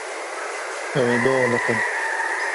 Ew ê bialiqin.